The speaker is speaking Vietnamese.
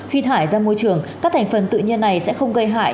khi thải ra môi trường các thành phần tự nhiên này sẽ không gây hại